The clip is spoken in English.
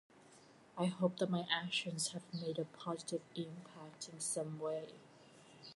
I hope that my actions have made a positive impact in some way.